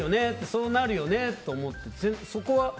そうなるよねと思って。